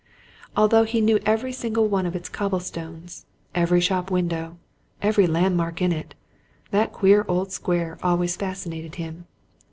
Although he knew every single one of its cobblestones, every shop window, every landmark in it, that queer old square always fascinated him.